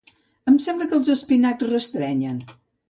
Em sembla que els espinacs restrenyen.